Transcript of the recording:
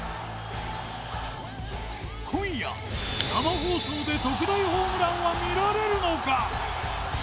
今夜、生放送で特大ホームランは見られるのか。